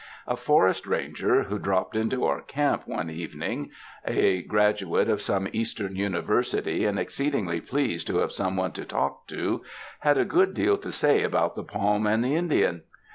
A forest ranger, who dropped into our camp one evening, a graduate of some Eastern university and exceedingly pleased to have someone to talk to, had a good deal to say about the palm and the Indian.